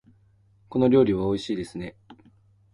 この料理はおいしいですね。